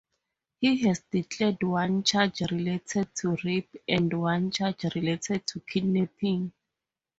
He has declared one charge related to rape and one charge related to kidnapping.